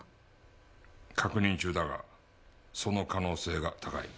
確認中だがその可能性が高い。